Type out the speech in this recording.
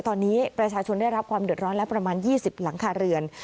ตอนนี้ประชาชนได้รับความเดือดร้อนแล้วประมาณ๒๐หลังคาเรือน